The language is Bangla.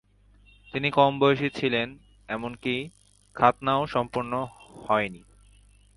তিনি কম বয়সী ছিলেন এমনকি খাতনাও সম্পন্ন হয় নি।